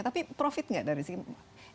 tapi profit nggak dari segi